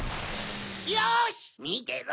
よしみてろ！